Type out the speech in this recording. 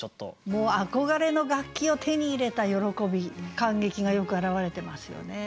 もう憧れの楽器を手に入れた喜び感激がよく表れてますよね。